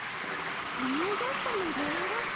思い出したのであろ？